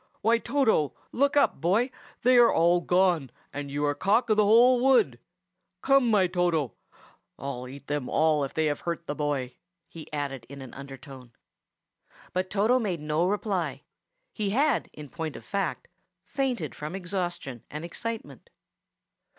Why, Toto! look up, boy. They are all gone, and you are cock of the whole wood. Come, my Toto! I'll eat them all, if they have hurt the boy!" he added in an undertone. But Toto made no reply. He had, in point of fact, fainted from exhaustion and excitement.